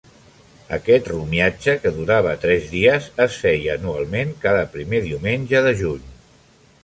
Aquest romiatge, que durava tres dies, es feia anualment, cada primer diumenge de juny.